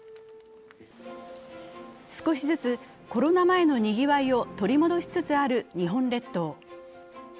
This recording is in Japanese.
少しずつコロナ前のにぎわいを取り戻しつつある日本列島。